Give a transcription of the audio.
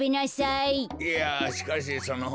いやしかしその。